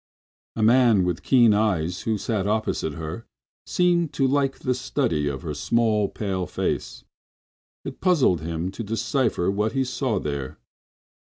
A man with keen eyes, who sat opposite to her, seemed to like the study of her small, pale face. It puzzled him to decipher what he saw there.